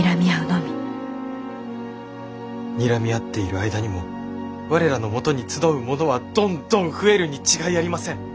にらみ合っている間にも我らのもとに集う者はどんどん増えるに違いありません。